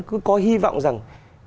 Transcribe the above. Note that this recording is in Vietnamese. cứ có hy vọng rằng